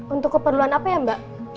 untuk keperluan apa ya mbak